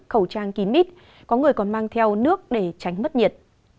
khẩu trang kín mít có người còn mang theo nước để tránh mất nhiệt